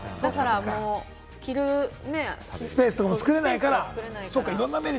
切るスペースが作れないから。